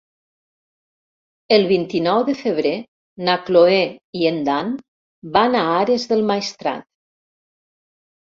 El vint-i-nou de febrer na Cloè i en Dan van a Ares del Maestrat.